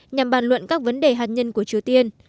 nhằm bàn luận các vấn đề hạt nhân của triều tiên